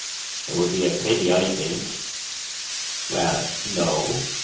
"It would be a pity, I think." "Well, no.